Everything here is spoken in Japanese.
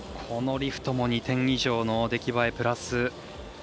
このリフトも２点以上の出来栄えプラス。